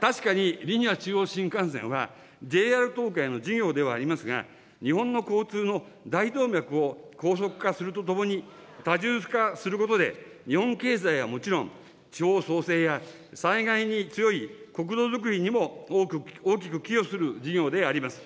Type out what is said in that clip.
確かに、リニア中央新幹線は、ＪＲ東海の事業ではありますが、日本の交通の大動脈を高速化するとともに、多重化することで、日本経済はもちろん、地方創生や災害に強い国土づくりにも大きく寄与する事業であります。